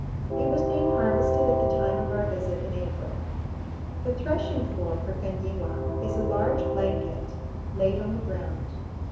It was being harvested at the time of our visit in April. The threshing floor for cañihua is a large blanket laid on the ground.